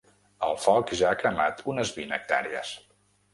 El foc ja ha cremat unes vint hectàrees.